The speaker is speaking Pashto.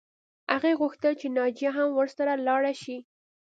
هغې غوښتل چې ناجیه هم ورسره لاړه شي